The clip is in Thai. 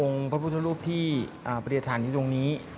พระพุทธรูปที่ปฏิฐานอยู่ตรงนี้